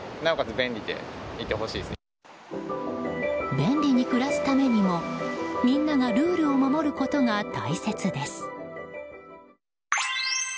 便利に暮らすためにもみんながルールを守ることが大切です。